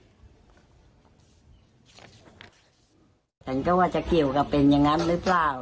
แต่ละที่พี่แบบไม่ได้ความต่ำคุ้มมากของวงตัว